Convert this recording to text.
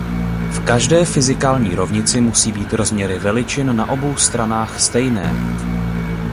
V každé fyzikální rovnici musí být rozměry veličin na obou stranách stejné.